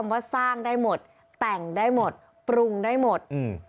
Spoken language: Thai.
ว่าสร้างได้หมดแต่งได้หมดปรุงได้หมดอืม